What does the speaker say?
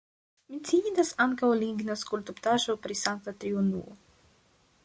Menciindas ankaŭ ligna skulptaĵo pri Sankta Triunuo.